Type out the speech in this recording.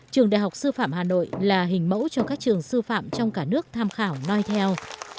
trường đại học sư phạm hà nội là hình mẫu cho các trường sư phạm trong cả nước tham khảo nói theo